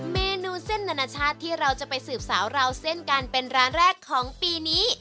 เมนูเส้นนานาชาติที่เราจะไปสืบสาวราวเส้นกันเป็นร้านแรกของปีนี้